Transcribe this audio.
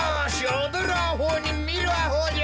おどるあほうにみるあほうじゃ。